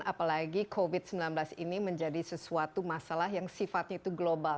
apalagi covid sembilan belas ini menjadi sesuatu masalah yang sifatnya itu global